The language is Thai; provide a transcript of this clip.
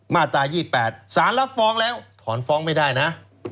มาตรา๒๘สารรับฟ้องแล้วถอนฟ้องไม่ได้นะ